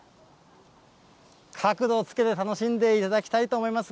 角度をつけて楽しんでいただきたいと思います。